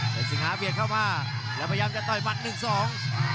เป็นสิงหาเบียดเข้ามาแล้วพยายามจะต่อยหมัดหนึ่งสอง